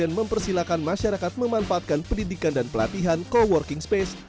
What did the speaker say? dan mempersilahkan masyarakat memanfaatkan pendidikan dan pelatihan coworking space